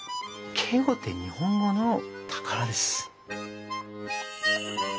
敬語って日本語の宝です。